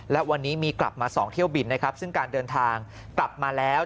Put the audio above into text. และวันนี้มีกลับมา๒เที่ยวบินนะครับซึ่งการเดินทางกลับมาแล้ว